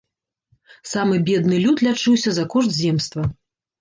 Самы бедны люд лячыўся за кошт земства.